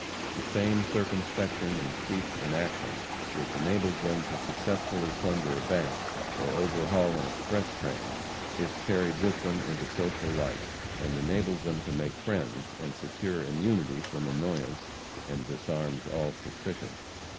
The same circumspection in speech and action which enables them to successfully plunder a bank or overhaul an express train is carried with them into social life, and enables them to make friends and secure immunity from annoyance, and disarms all suspicion.